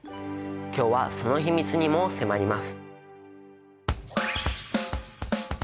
今日はその秘密にも迫ります。